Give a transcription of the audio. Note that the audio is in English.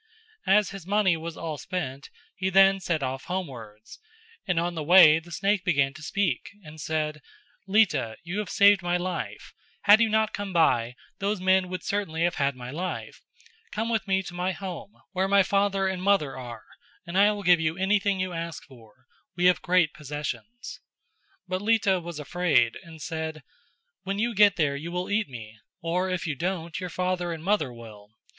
As his money was all spent, he then set off homewards; and on the way the snake began to speak and said: "Lita, you have saved my life; had you not come by, those men would certainly have had my life; come with me to my home, where my father and mother are, and I will give you anything you ask for; we have great possessions." But Lita was afraid and said: "When you get me there you will eat me, or if you don't, your father and mother will."